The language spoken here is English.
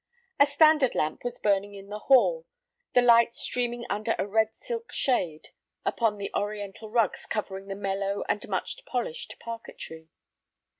A standard lamp was burning in the hall, the light streaming under a red silk shade upon the Oriental rugs covering the mellow and much polished parquetry.